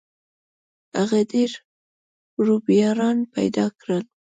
هغې ډېر رویباران پیدا کړل